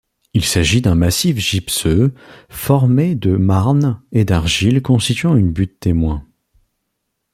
Il s'agit d'un massif gypseux formé de marnes et d’argiles constituant une butte témoin.